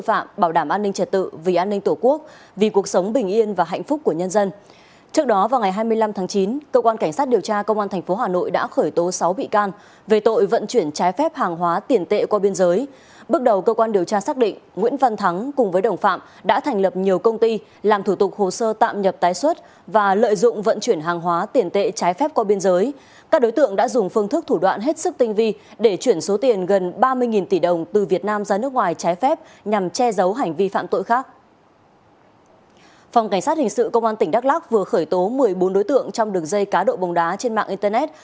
phòng cảnh sát hình sự công an tỉnh đắk lắc vừa khởi tố một mươi bốn đối tượng trong đường dây cá độ bồng đá trên mạng internet